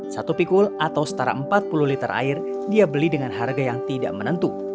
satu pikul atau setara empat puluh liter air dia beli dengan harga yang tidak menentu